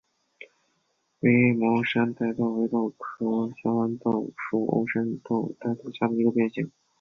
微毛山黧豆为豆科香豌豆属欧山黧豆下的一个变型。